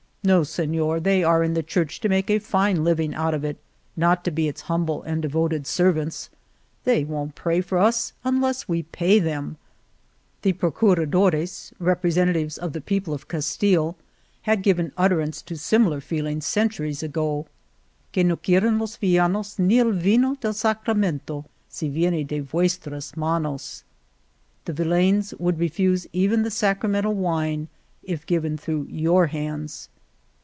—No, Seiior — they are in the Church to make a fine living out of it, not to be its humble and devoted ser vants. They won't pray for us unless we pay them !" The Procuradores, representatives of the 44 1^ Argamasilla people of Castile, had given utterance to similar feelings centuries ago :Que no quieren los villanos ni el vino del Sacramento si viene de vuestras manos'^ The villeins would refuse even the Sacra mental wine if given through your hands.